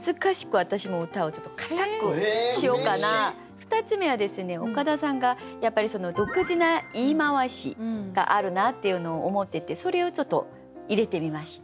２つ目はですね岡田さんがやっぱり独自な言い回しがあるなっていうのを思っててそれをちょっと入れてみました。